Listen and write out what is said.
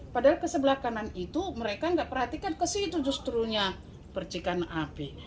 padahal ke sebelah kanan itu mereka nggak perhatikan ke situ justrunya percikan api